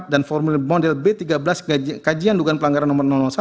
dan formulir model b tiga belas kajian dugaan pelanggaran no satu